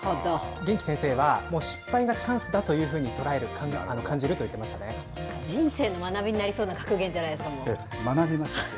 元気先生は、失敗がチャンスだというふうに捉える、人生の学びになりそうな格言学びました。